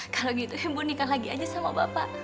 kalau gitu ibu nikah lagi aja sama bapak